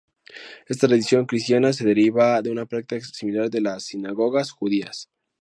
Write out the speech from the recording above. Esta tradición cristiana se deriva de una práctica similar de las sinagogas judías.